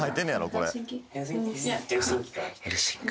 これヘルシンキ？